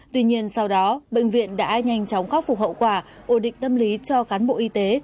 tuy nhiên sau đó bệnh viện đã nhanh chóng khắc phục hậu quả ổn định tâm lý cho cán bộ y tế